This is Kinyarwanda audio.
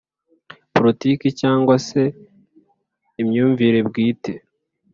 Politiki cyangwa se imyumvire bwite